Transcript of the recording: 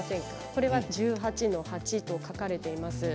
これは１８−８と書かれています。